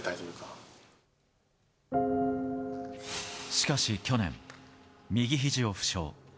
しかし去年、右ひじを負傷。